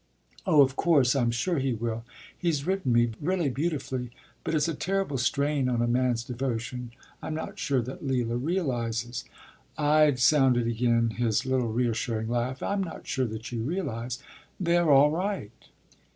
” “Oh, of course; I’m sure he will. He’s written me really beautifully. But it’s a terrible strain on a man’s devotion. I’m not sure that Leila realizes ” Ide sounded again his little reassuring laugh. “I’m not sure that you realize. They’re all right.